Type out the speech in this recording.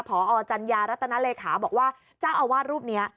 พอจัญญารัตนเลขาบอกว่าเจ้าอาวาสรูปนี้